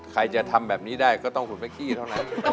ใครจะทำแบบนี้ได้ก็ต้องหุ่นเป๊กกี้เท่านั้น